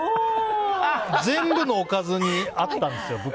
全部のおかずに合ったんですよ